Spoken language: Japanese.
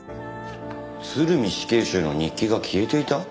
鶴見死刑囚の日記が消えていた？